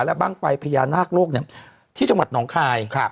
และบ้างไฟพญานาคโลกที่จังหวัดหนองคาย